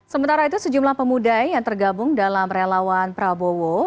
sementara itu sejumlah pemuda yang tergabung dalam relawan prabowo